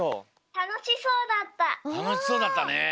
たのしそうだったね。